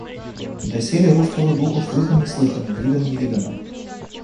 Доселе русского духу слыхом не слыхано, видом не видано.